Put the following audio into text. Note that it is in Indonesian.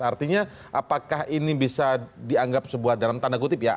artinya apakah ini bisa dianggap sebuah dalam tanda kutip ya